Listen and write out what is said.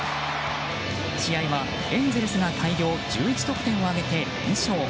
試合はエンゼルスが大量１１得点を挙げて連勝。